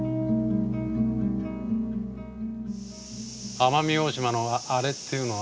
奄美大島のあれっていうのは？